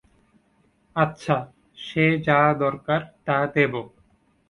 আচ্ছা, সে যা দরকার তা দেব।